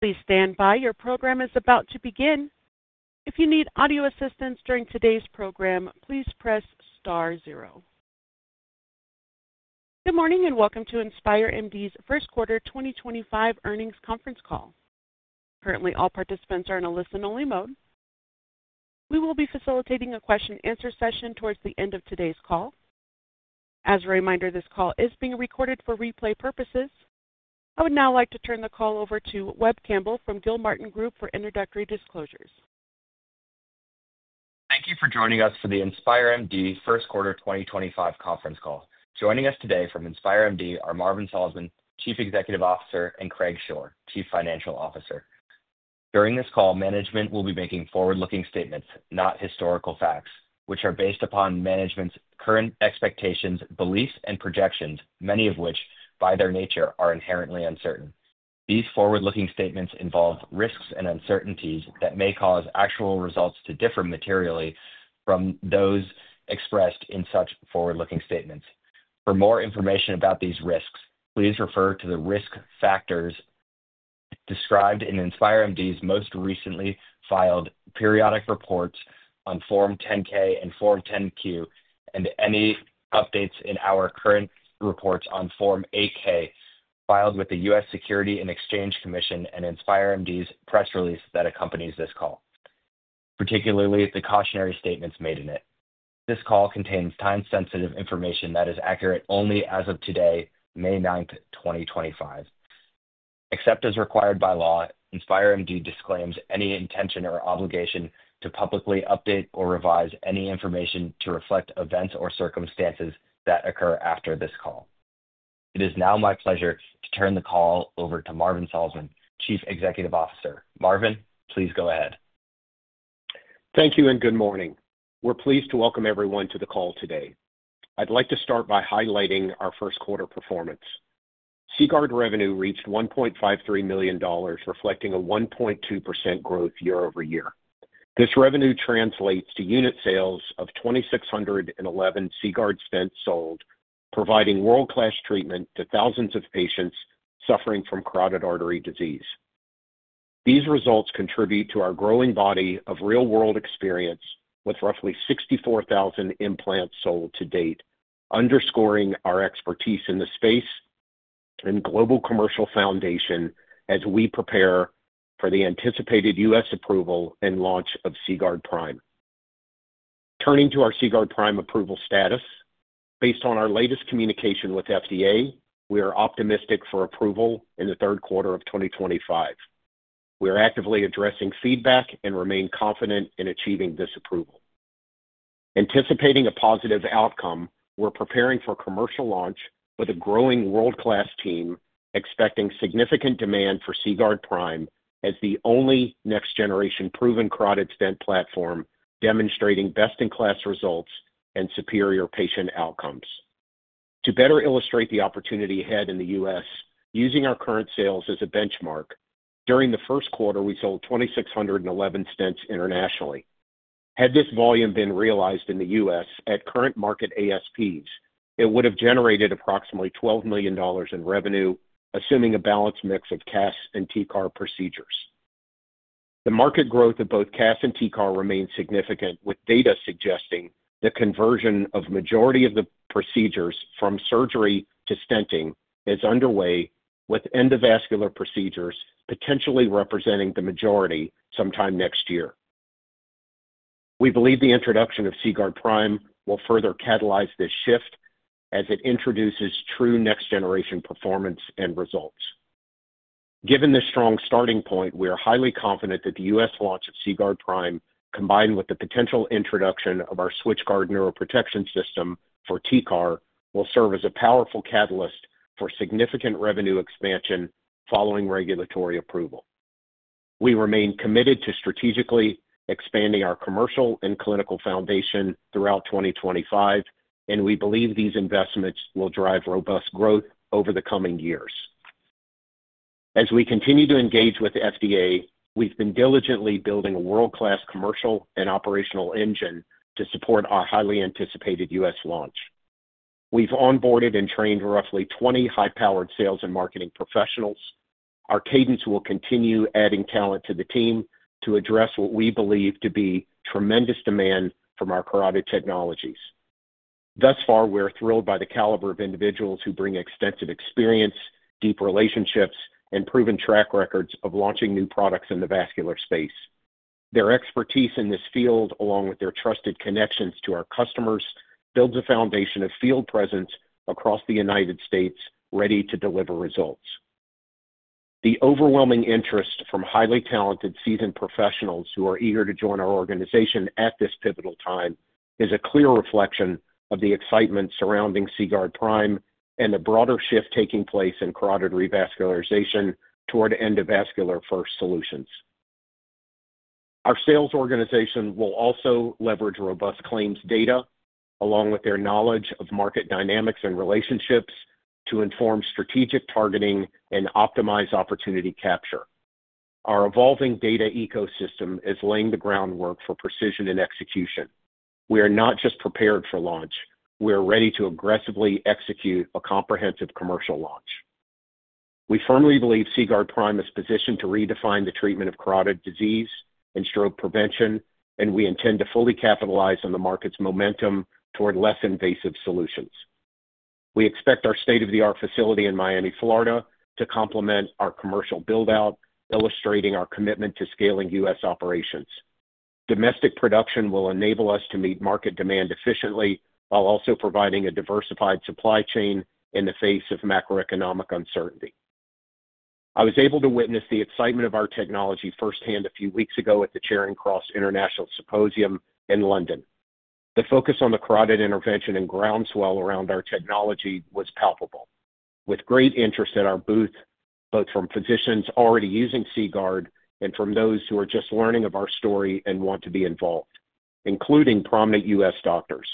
Please stand by. Your program is about to begin. If you need audio assistance during today's program, please press star zero. Good morning and welcome to InspireMD's First Quarter 2025 Earnings Conference Call. Currently, all participants are in a listen-only mode. We will be facilitating a question-and-answer session towards the end of today's call. As a reminder, this call is being recorded for replay purposes. I would now like to turn the call over to Webb Campbell from Gilmartin Group for introductory disclosures. Thank you for joining us for the InspireMD First Quarter 2025 Conference Call. Joining us today from InspireMD are Marvin Slosman, Chief Executive Officer, and Craig Shore, Chief Financial Officer. During this call, management will be making forward-looking statements, not historical facts, which are based upon management's current expectations, beliefs, and projections, many of which, by their nature, are inherently uncertain. These forward-looking statements involve risks and uncertainties that may cause actual results to differ materially from those expressed in such forward-looking statements. For more information about these risks, please refer to the risk factors described in InspireMD's most recently filed periodic reports on Form 10-K and Form 10-Q, and any updates in our current reports on Form 8-K filed with the U.S. Securities and Exchange Commission and InspireMD's press release that accompanies this call, particularly the cautionary statements made in it. This call contains time-sensitive information that is accurate only as of today, May 9th, 2025. Except as required by law, InspireMD disclaims any intention or obligation to publicly update or revise any information to reflect events or circumstances that occur after this call. It is now my pleasure to turn the call over to Marvin Slosman, Chief Executive Officer. Marvin, please go ahead. Thank you and good morning. We're pleased to welcome everyone to the call today. I'd like to start by highlighting our first quarter performance. CGuard revenue reached $1.53 million, reflecting a 1.2% growth year over year. This revenue translates to unit sales of 2,611 CGuard stents sold, providing world-class treatment to thousands of patients suffering from carotid artery disease. These results contribute to our growing body of real-world experience with roughly 64,000 implants sold to date, underscoring our expertise in the space and global commercial foundation as we prepare for the anticipated U.S. approval and launch of CGuard Prime. Returning to our CGuard Prime approval status, based on our latest communication with the FDA, we are optimistic for approval in the third quarter of 2025. We are actively addressing feedback and remain confident in achieving this approval. Anticipating a positive outcome, we're preparing for commercial launch with a growing world-class team expecting significant demand for CGuard Prime as the only next-generation proven carotid stent platform demonstrating best-in-class results and superior patient outcomes. To better illustrate the opportunity ahead in the U.S., using our current sales as a benchmark, during the first quarter, we sold 2,611 stents internationally. Had this volume been realized in the U.S. at current market ASPs, it would have generated approximately $12 million in revenue, assuming a balanced mix of CAS and TCAR procedures. The market growth of both CAS and TCAR remains significant, with data suggesting the conversion of the majority of the procedures from surgery to stenting is underway, with endovascular procedures potentially representing the majority sometime next year. We believe the introduction of CGuard Prime will further catalyze this shift as it introduces true next-generation performance and results. Given this strong starting point, we are highly confident that the U.S. launch of CGuard Prime, combined with the potential introduction of our SwitchGuard neuroprotection system for TCAR, will serve as a powerful catalyst for significant revenue expansion following regulatory approval. We remain committed to strategically expanding our commercial and clinical foundation throughout 2025, and we believe these investments will drive robust growth over the coming years. As we continue to engage with the FDA, we've been diligently building a world-class commercial and operational engine to support our highly anticipated U.S. launch. We've onboarded and trained roughly 20 high-powered sales and marketing professionals. Our cadence will continue adding talent to the team to address what we believe to be tremendous demand from our carotid technologies. Thus far, we're thrilled by the caliber of individuals who bring extensive experience, deep relationships, and proven track records of launching new products in the vascular space. Their expertise in this field, along with their trusted connections to our customers, builds a foundation of field presence across the United States ready to deliver results. The overwhelming interest from highly talented seasoned professionals who are eager to join our organization at this pivotal time is a clear reflection of the excitement surrounding CGuard Prime and the broader shift taking place in carotid revascularization toward endovascular-first solutions. Our sales organization will also leverage robust claims data, along with their knowledge of market dynamics and relationships, to inform strategic targeting and optimize opportunity capture. Our evolving data ecosystem is laying the groundwork for precision and execution. We are not just prepared for launch; we are ready to aggressively execute a comprehensive commercial launch. We firmly believe CGuard Prime is positioned to redefine the treatment of carotid disease and stroke prevention, and we intend to fully capitalize on the market's momentum toward less invasive solutions. We expect our state-of-the-art facility in Miami, Florida, to complement our commercial buildout, illustrating our commitment to scaling U.S. operations. Domestic production will enable us to meet market demand efficiently while also providing a diversified supply chain in the face of macroeconomic uncertainty. I was able to witness the excitement of our technology firsthand a few weeks ago at the Charing Cross International Symposium in London. The focus on the carotid intervention and groundswell around our technology was palpable, with great interest at our booth, both from physicians already using CGuard and from those who are just learning of our story and want to be involved, including prominent U.S. doctors.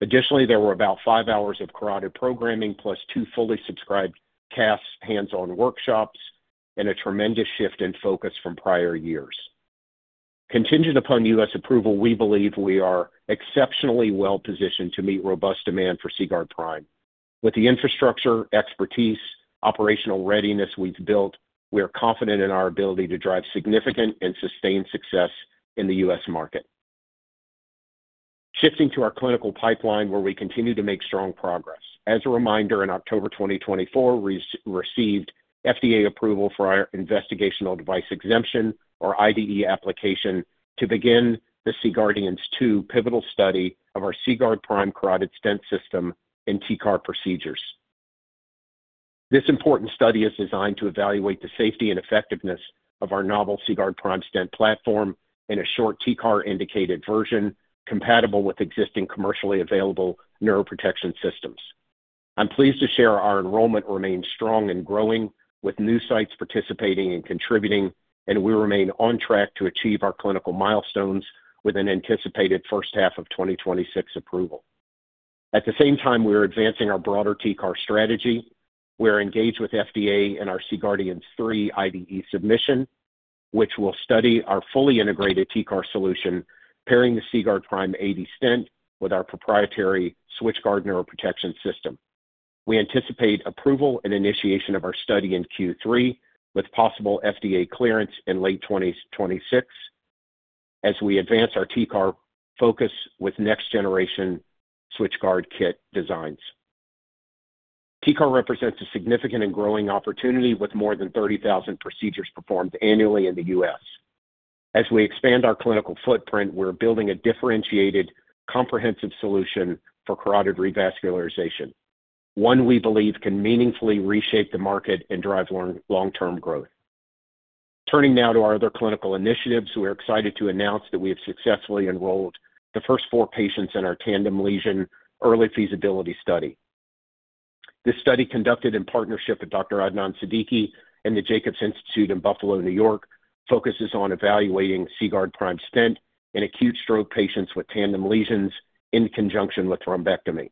Additionally, there were about five hours of carotid programming plus two fully subscribed CAS hands-on workshops and a tremendous shift in focus from prior years. Contingent upon U.S. approval, we believe we are exceptionally well-positioned to meet robust demand for CGuard Prime. With the infrastructure, expertise, and operational readiness we've built, we are confident in our ability to drive significant and sustained success in the U.S. market. Shifting to our clinical pipeline, where we continue to make strong progress. As a reminder, in October 2024, we received FDA approval for our investigational device exemption, or IDE, application to begin the CGuardians two pivotal studies of our CGuard Prime carotid stent system and TCAR procedures. This important study is designed to evaluate the safety and effectiveness of our novel CGuard Prime stent platform in a short TCAR-indicated version compatible with existing commercially available neuroprotection systems. I'm pleased to share our enrollment remains strong and growing with new sites participating and contributing, and we remain on track to achieve our clinical milestones with an anticipated first half of 2026 approval. At the same time, we are advancing our broader TCAR strategy. We are engaged with FDA in our CGUARDIANS III IDE submission, which will study our fully integrated TCAR solution, pairing the CGuard Prime 80 stent with our proprietary SwitchGuard neuroprotection system. We anticipate approval and initiation of our study in Q3 with possible FDA clearance in late 2026 as we advance our TCAR focus with next-generation SwitchGuard kit designs. TCAR represents a significant and growing opportunity, with more than 30,000 procedures performed annually in the U.S. As we expand our clinical footprint, we're building a differentiated, comprehensive solution for carotid revascularization, one we believe can meaningfully reshape the market and drive long-term growth. Turning now to our other clinical initiatives, we're excited to announce that we have successfully enrolled the first four patients in our tandem lesion early feasibility study. This study, conducted in partnership with Dr. Adnan Siddiqui and the Jacobs Institute in Buffalo, New York, focuses on evaluating CGuard Prime stent in acute stroke patients with tandem lesions in conjunction with thrombectomy.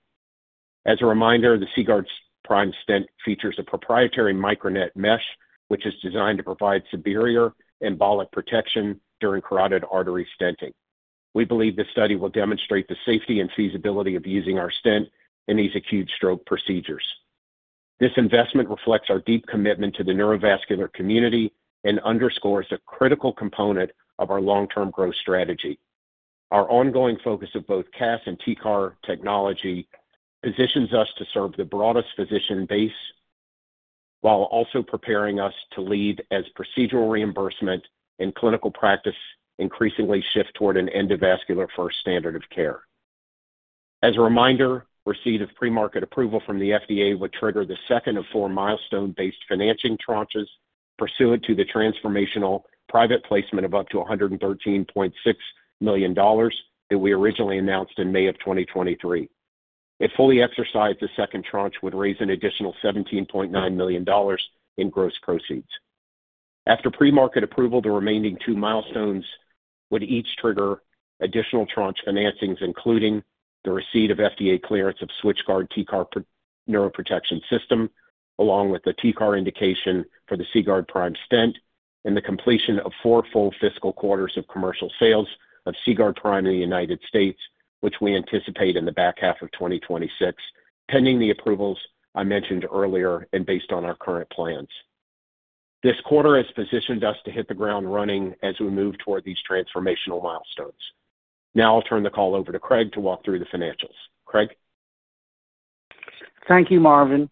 As a reminder, the CGuard Prime stent features a proprietary MicroNet mesh, which is designed to provide superior embolic protection during carotid artery stenting. We believe this study will demonstrate the safety and feasibility of using our stent in these acute stroke procedures. This investment reflects our deep commitment to the neurovascular community and underscores a critical component of our long-term growth strategy. Our ongoing focus of both CAS and TCAR technology positions us to serve the broadest physician base while also preparing us to lead as procedural reimbursement and clinical practice increasingly shift toward an endovascular-first standard of care. As a reminder, receipt of pre-market approval from the FDA would trigger the second of four milestone-based financing tranches pursuant to the transformational private placement of up to $113.6 million that we originally announced in May of 2023. If fully exercised, the second tranche would raise an additional $17.9 million in gross proceeds. After premarket approval, the remaining two milestones would each trigger additional tranche financings, including the receipt of FDA clearance of SwitchGuard TCAR neuroprotection system, along with the TCAR indication for the CGuard Prime stent, and the completion of four full fiscal quarters of commercial sales of CGuard Prime in the United States, which we anticipate in the back half of 2026, pending the approvals I mentioned earlier and based on our current plans. This quarter has positioned us to hit the ground running as we move toward these transformational milestones. Now I'll turn the call over to Craig to walk through the financials. Craig. Thank you, Marvin.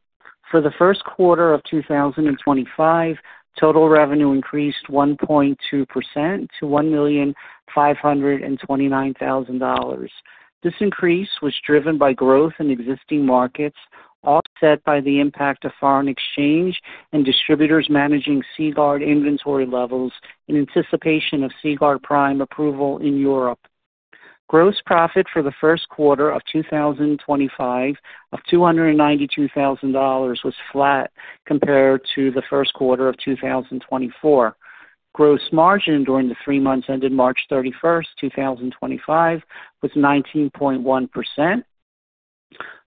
For the first quarter of 2025, total revenue increased 1.2% to $1,529,000. This increase was driven by growth in existing markets, offset by the impact of foreign exchange and distributors managing CGuard inventory levels in anticipation of CGuard Prime approval in Europe. Gross profit for the first quarter of 2025 of $292,000 was flat compared to the first quarter of 2024. Gross margin during the three months ended March 31st, 2025, was 19.1%.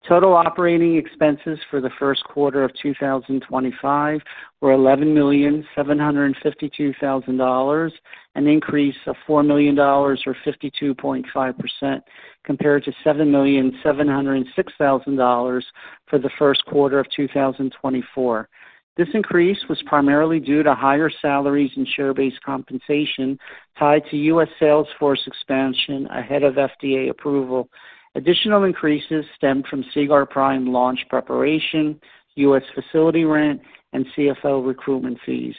Total operating expenses for the first quarter of 2025 were $11,752,000, an increase of $4 million, or 52.5%, compared to $7,706,000 for the first quarter of 2024. This increase was primarily due to higher salaries and share-based compensation tied to U.S. salesforce expansion ahead of FDA approval. Additional increases stemmed from CGuard Prime launch preparation, U.S. facility rent, and CFO recruitment fees.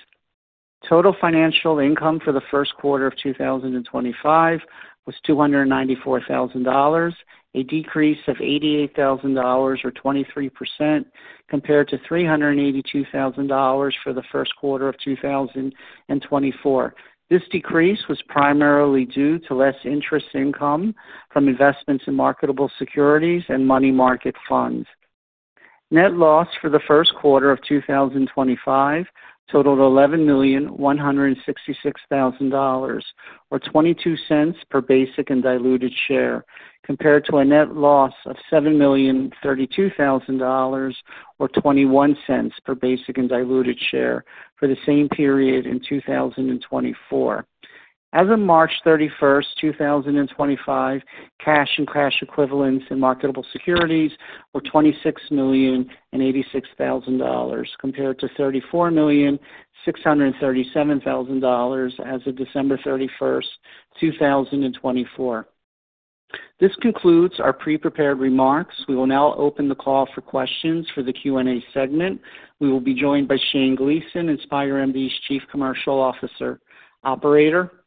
Total financial income for the first quarter of 2025 was $294,000, a decrease of $88,000, or 23%, compared to $382,000 for the first quarter of 2024. This decrease was primarily due to less interest income from investments in marketable securities and money market funds. Net loss for the first quarter of 2025 totaled $11,166,000, or $0.22 per basic and diluted share, compared to a net loss of $7,032,000, or $0.21 per basic and diluted share for the same period in 2024. As of March 31st, 2025, cash and cash equivalents in marketable securities were $26,086,000, compared to $34,637,000 as of December 31st, 2024. This concludes our pre-prepared remarks. We will now open the call for questions for the Q and A segment. We will be joined by Shane Gleason, InspireMD's Chief Commercial Officer.Operator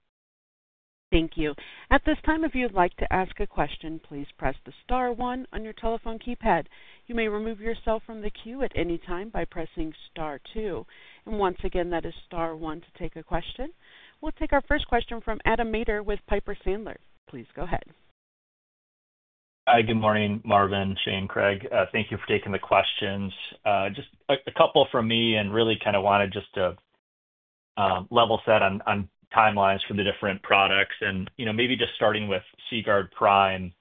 Thank you. At this time, if you'd like to ask a question, please press the star one on your telephone keypad. You may remove yourself from the queue at any time by pressing star two. Once again, that is star one to take a question. We'll take our first question from Adam Maeder with Piper Sandler. Please go ahead. Hi, good morning, Marvin, Shane, Craig. Thank you for taking the questions. Just a couple from me and really kind of wanted just to level set on timelines for the different products and maybe just starting with CGuard Prime,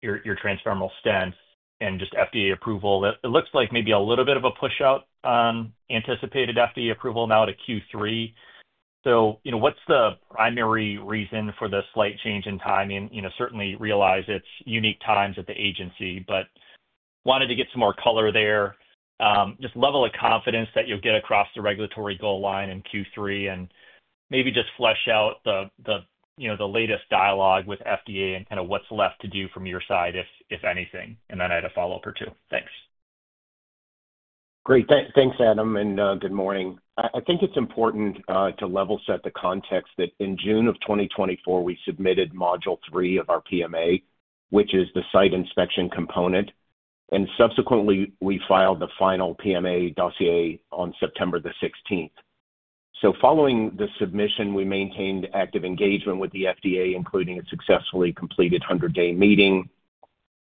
your transdermal stents, and just FDA approval. It looks like maybe a little bit of a push-out on anticipated FDA approval now at a Q3. What's the primary reason for the slight change in timing? Certainly realize it's unique times at the agency, but wanted to get some more color there. Just level of confidence that you'll get across the regulatory goal line in Q3 and maybe just flesh out the latest dialogue with FDA and kind of what's left to do from your side, if anything. I had a follow-up or two. Thanks. Great. Thanks, Adam, and good morning. I think it's important to level set the context that in June of 2024, we submitted module three of our PMA, which is the site inspection component. Subsequently, we filed the final PMA dossier on September 16th. Following the submission, we maintained active engagement with the FDA, including a successfully completed 100-day meeting.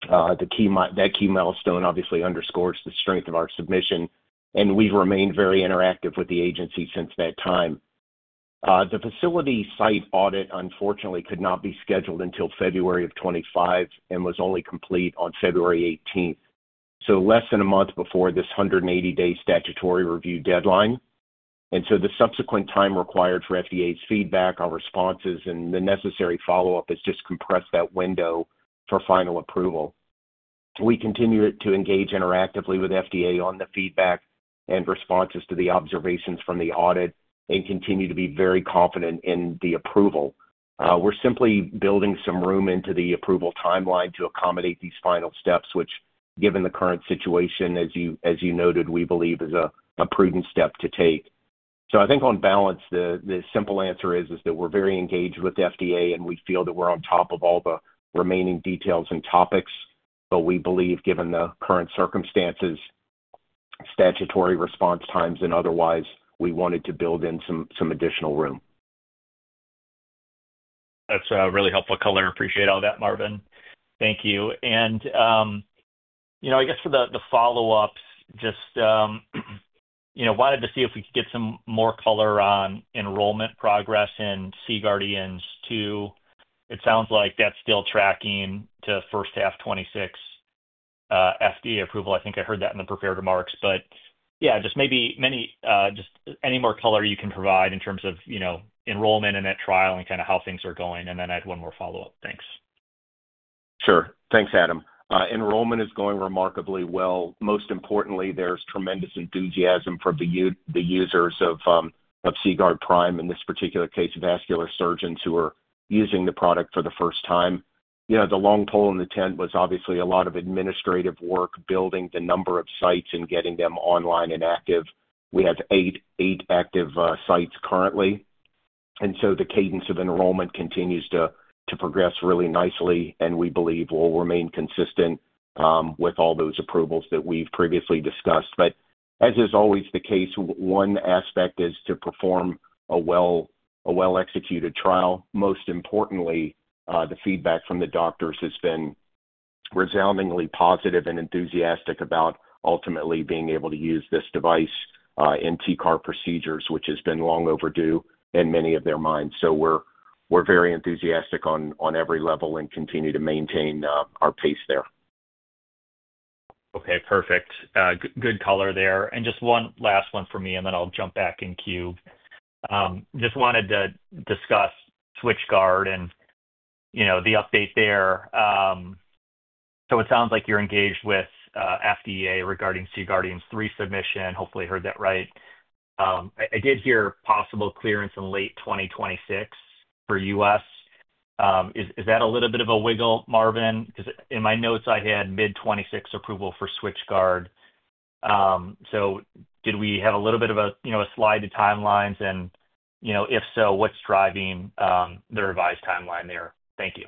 That key milestone obviously underscores the strength of our submission, and we've remained very interactive with the agency since that time. The facility site audit, unfortunately, could not be scheduled until February of 2025 and was only complete on February 18th, so less than a month before this 180-day statutory review deadline. The subsequent time required for FDA's feedback, our responses, and the necessary follow-up has just compressed that window for final approval. We continue to engage interactively with the FDA on the feedback and responses to the observations from the audit and continue to be very confident in the approval. We're simply building some room into the approval timeline to accommodate these final steps, which, given the current situation, as you noted, we believe is a prudent step to take. I think on balance, the simple answer is that we're very engaged with the FDA, and we feel that we're on top of all the remaining details and topics. We believe, given the current circumstances, statutory response times and otherwise, we wanted to build in some additional room. That's really helpful color. Appreciate all that, Marvin. Thank you. For the follow-ups, just wanted to see if we could get some more color on enrollment progress in CGUARDIANS II. It sounds like that's still tracking to first half 2026 FDA approval. I think I heard that in the prepared remarks. Maybe any more color you can provide in terms of enrollment and that trial and kind of how things are going. I had one more follow-up. Thanks. Sure. Thanks, Adam. Enrollment is going remarkably well. Most importantly, there is tremendous enthusiasm from the users of CGuard Prime, in this particular case, vascular surgeons who are using the product for the first time. The long pole in the tent was obviously a lot of administrative work, building the number of sites and getting them online and active. We have eight active sites currently. The cadence of enrollment continues to progress really nicely, and we believe will remain consistent with all those approvals that we have previously discussed. As is always the case, one aspect is to perform a well-executed trial. Most importantly, the feedback from the doctors has been resoundingly positive and enthusiastic about ultimately being able to use this device in TCAR procedures, which has been long overdue in many of their minds. We're very enthusiastic on every level and continue to maintain our pace there. Okay. Perfect. Good color there. Just one last one for me, and then I'll jump back in queue. Just wanted to discuss SwitchGuard and the update there. It sounds like you're engaged with FDA regarding C-GUARDIANS III submission. Hopefully, I heard that right. I did hear possible clearance in late 2026 for U.S. Is that a little bit of a wiggle, Marvin? Because in my notes, I had mid-2026 approval for SwitchGuard. Did we have a little bit of a slide to timelines? If so, what's driving the revised timeline there? Thank you.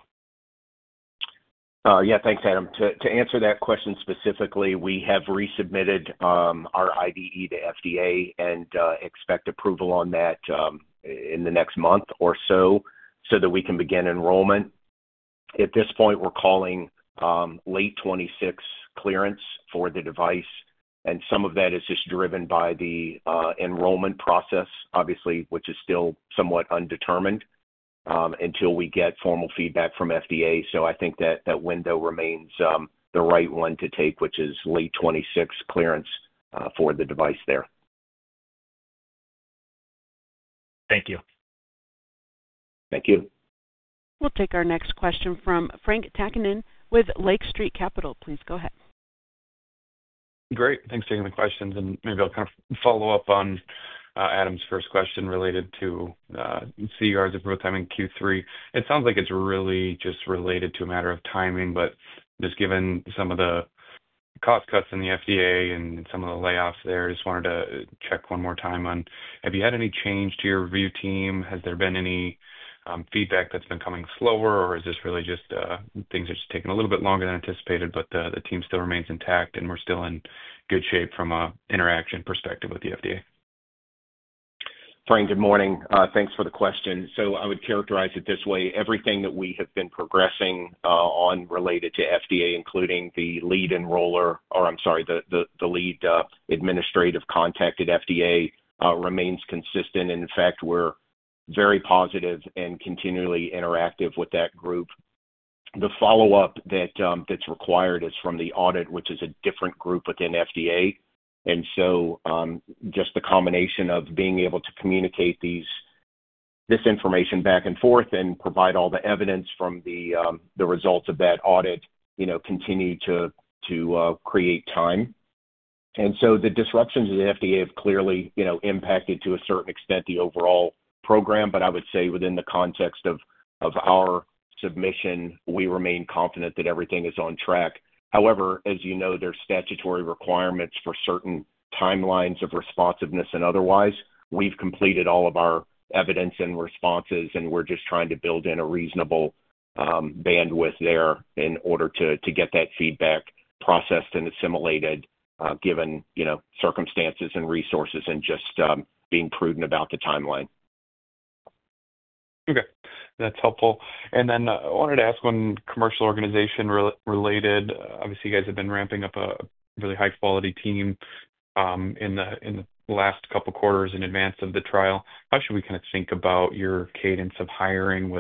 Yeah. Thanks, Adam. To answer that question specifically, we have resubmitted our IDE to FDA and expect approval on that in the next month or so so that we can begin enrollment. At this point, we're calling late 2026 clearance for the device. And some of that is just driven by the enrollment process, obviously, which is still somewhat undetermined until we get formal feedback from FDA. I think that window remains the right one to take, which is late 2026 clearance for the device there. Thank you. Thank you. We'll take our next question from Frank Takkinen with Lake Street Capital. Please go ahead. Great. Thanks for taking the questions. Maybe I'll kind of follow up on Adam's first question related to CGuard's approval timing Q3. It sounds like it's really just related to a matter of timing, but just given some of the cost cuts in the FDA and some of the layoffs there, I just wanted to check one more time on, have you had any change to your review team? Has there been any feedback that's been coming slower, or is this really just things are just taking a little bit longer than anticipated, but the team still remains intact and we're still in good shape from an interaction perspective with the FDA? Frank, good morning. Thanks for the question. I would characterize it this way. Everything that we have been progressing on related to FDA, including the lead enroller or, I'm sorry, the lead administrative contact at FDA, remains consistent. In fact, we're very positive and continually interactive with that group. The follow-up that's required is from the audit, which is a different group within FDA. Just the combination of being able to communicate this information back and forth and provide all the evidence from the results of that audit continue to create time. The disruptions in the FDA have clearly impacted to a certain extent the overall program, but I would say within the context of our submission, we remain confident that everything is on track. However, as you know, there are statutory requirements for certain timelines of responsiveness and otherwise. We've completed all of our evidence and responses, and we're just trying to build in a reasonable bandwidth there in order to get that feedback processed and assimilated, given circumstances and resources and just being prudent about the timeline. Okay. That's helpful. I wanted to ask on commercial organization related. Obviously, you guys have been ramping up a really high-quality team in the last couple of quarters in advance of the trial. How should we kind of think about your cadence of hiring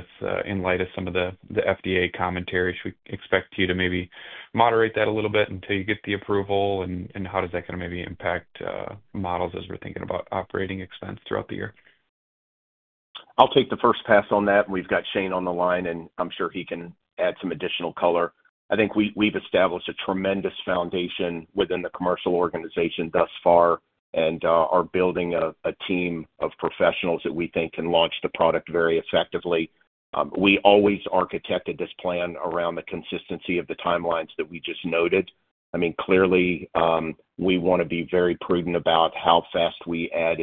in light of some of the FDA commentary? Should we expect you to maybe moderate that a little bit until you get the approval? How does that kind of maybe impact models as we're thinking about operating expense throughout the year? I'll take the first pass on that. We've got Shane on the line, and I'm sure he can add some additional color. I think we've established a tremendous foundation within the commercial organization thus far and are building a team of professionals that we think can launch the product very effectively. We always architected this plan around the consistency of the timelines that we just noted. I mean, clearly, we want to be very prudent about how fast we add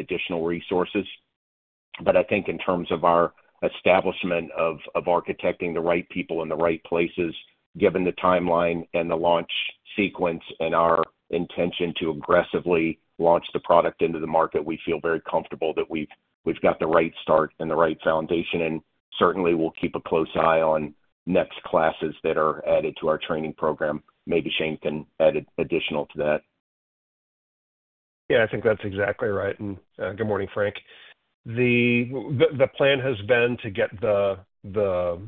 additional resources. I think in terms of our establishment of architecting the right people in the right places, given the timeline and the launch sequence and our intention to aggressively launch the product into the market, we feel very comfortable that we've got the right start and the right foundation. Certainly, we'll keep a close eye on next classes that are added to our training program. Maybe Shane can add additional to that. Yeah. I think that's exactly right. Good morning, Frank. The plan has been to get the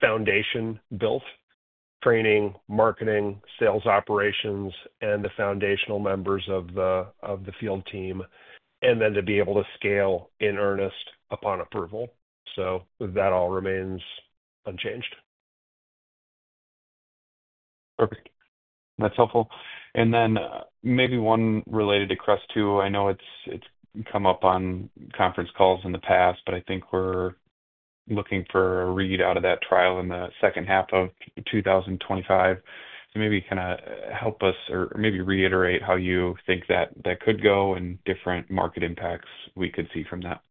foundation built: training, marketing, sales operations, and the foundational members of the field team, and then to be able to scale in earnest upon approval. That all remains unchanged. Perfect. That's helpful. Maybe one related to CREST-2. I know it's come up on conference calls in the past, but I think we're looking for a readout of that trial in the second half of 2025. Maybe kind of help us or maybe reiterate how you think that could go and different market impacts we could see from that.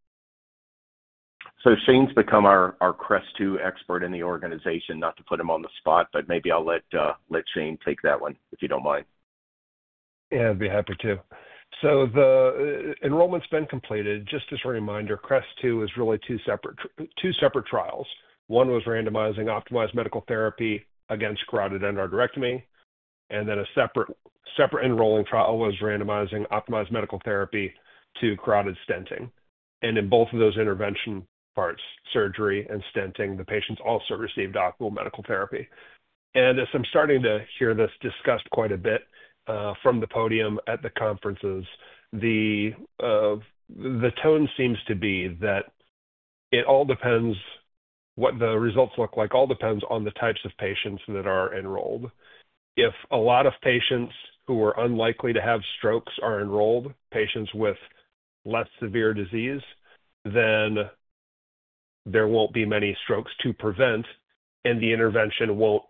Shane's become our CREST-2 expert in the organization, not to put him on the spot, but maybe I'll let Shane take that one if you don't mind. Yeah. I'd be happy to. The enrollment's been completed. Just as a reminder, CREST-2 is really two separate trials. One was randomizing optimized medical therapy against carotid endarterectomy, and a separate enrolling trial was randomizing optimized medical therapy to carotid stenting. In both of those intervention parts, surgery and stenting, the patients also received optimal medical therapy. As I'm starting to hear this discussed quite a bit from the podium at the conferences, the tone seems to be that it all depends what the results look like, all depends on the types of patients that are enrolled. If a lot of patients who are unlikely to have strokes are enrolled, patients with less severe disease, then there won't be many strokes to prevent, and the intervention won't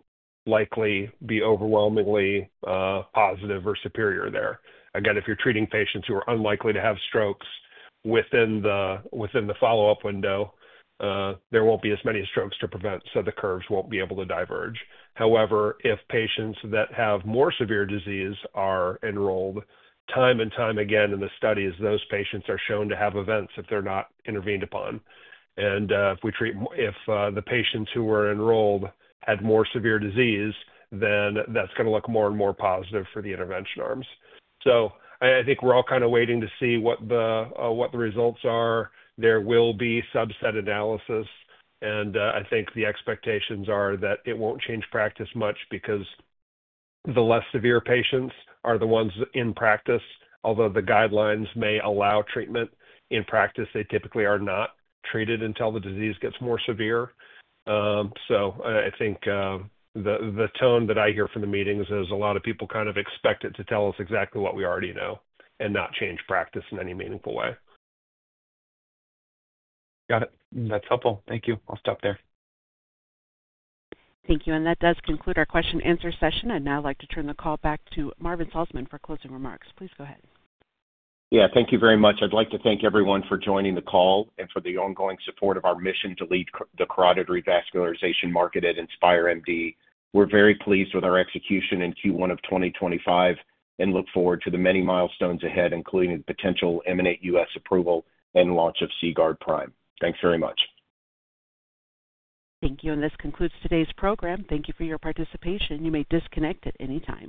likely be overwhelmingly positive or superior there. Again, if you're treating patients who are unlikely to have strokes within the follow-up window, there won't be as many strokes to prevent, so the curves won't be able to diverge. However, if patients that have more severe disease are enrolled, time and time again in the studies, those patients are shown to have events if they're not intervened upon. And if we treat, if the patients who were enrolled had more severe disease, then that's going to look more and more positive for the intervention arms. I think we're all kind of waiting to see what the results are. There will be subset analysis, and I think the expectations are that it won't change practice much because the less severe patients are the ones in practice. Although the guidelines may allow treatment in practice, they typically are not treated until the disease gets more severe. I think the tone that I hear from the meetings is a lot of people kind of expect it to tell us exactly what we already know and not change practice in any meaningful way. Got it. That's helpful. Thank you. I'll stop there. Thank you. That does conclude our question-and-answer session. I would like to turn the call back to Marvin Slosman for closing remarks. Please go ahead. Yeah. Thank you very much. I'd like to thank everyone for joining the call and for the ongoing support of our mission to lead the carotid revascularization market at InspireMD. We're very pleased with our execution in Q1 of 2025 and look forward to the many milestones ahead, including the potential imminent U.S. approval and launch of CGuard Prime. Thanks very much. Thank you. This concludes today's program. Thank you for your participation. You may disconnect at any time.